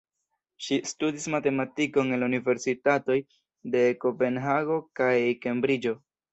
Ŝi studis matematikon en la universitatoj de Kopenhago kaj Kembriĝo.